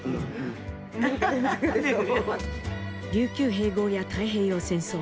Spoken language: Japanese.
琉球併合や太平洋戦争。